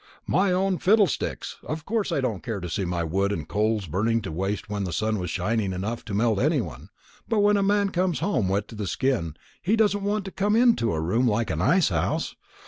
"My own fiddlesticks! Of course I didn't care to see my wood and coals burning to waste when the sun was shining enough to melt any one. But when a man comes home wet to the skin, he doesn't want to come into a room like an ice house.